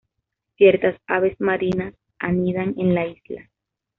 Ciertas aves marinas anidan en la isla.